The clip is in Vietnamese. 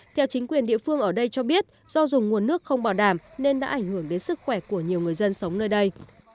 theo chính quyền địa phương ở đây cho biết do dùng nguồn nước không bảo đảm nên đã ảnh hưởng đến sức khỏe của nhiều người dân sống nơi đây